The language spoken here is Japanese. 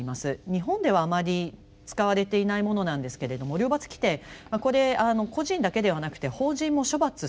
日本ではあまり使われていないものなんですけれども両罰規定これ個人だけではなくて法人も処罰すると。